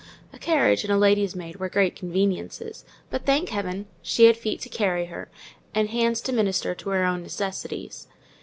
A carriage and a lady's maid were great conveniences; but, thank heaven, she had feet to carry her, and hands to minister to her own necessities.